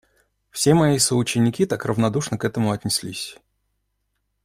Все мои соученики так равнодушно к этому отнеслись.